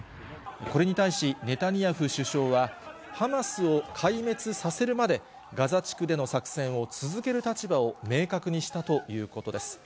これに対し、ネタニヤフ首相は、ハマスを壊滅させるまで、ガザ地区での作戦を続ける立場を明確にしたということです。